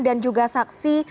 dan juga saksi